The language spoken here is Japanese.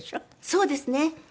そうですね。